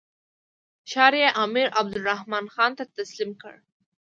ښار یې امیر عبدالرحمن خان ته تسلیم کړ.